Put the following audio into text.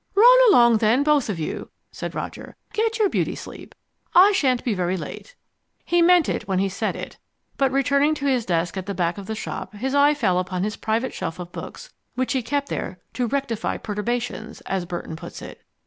"Run along then, both of you," said Roger. "Get your beauty sleep. I shan't be very late." He meant it when he said it, but returning to his desk at the back of the shop his eye fell upon his private shelf of books which he kept there "to rectify perturbations" as Burton puts it.